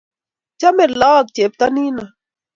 chomei laak chepto nino